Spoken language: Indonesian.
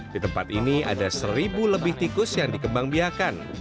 di tempat ini ada seribu lebih tikus yang dikembang biakan